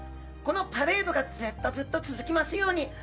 このパレードが、ずっとずっと続きますように。